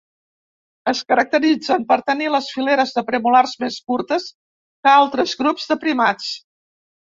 Es caracteritzen per tenir les fileres de premolars més curtes que altres grups de primats.